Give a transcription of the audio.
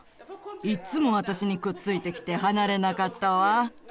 いっつも私にくっついてきて離れなかったわ。